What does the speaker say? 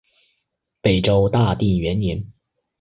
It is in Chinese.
北周大定元年。